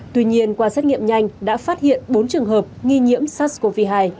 tuy nhiên qua xét nghiệm nhanh đã phát hiện bốn trường hợp